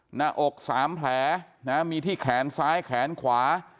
หน้าอก๓แผลมีที่แขนซ้ายแขนขวา